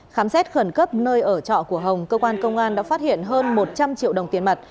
khám xét khẩn cấp nơi ở trọ của hồng cơ quan công an đã phát hiện hơn một trăm linh triệu đồng tiền mặt